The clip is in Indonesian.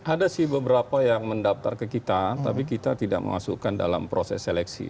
ada sih beberapa yang mendaftar ke kita tapi kita tidak memasukkan dalam proses seleksi